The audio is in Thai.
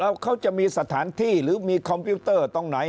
แล้วเขาจะมีสถานที่หรือมีคอมพิวเตอร์ตรงไหน